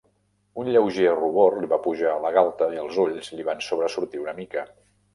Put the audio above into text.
Un lleuger rubor li va pujar a la galta i els ulls li van sobresortir una mica.